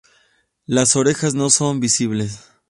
Las orejas no son visibles.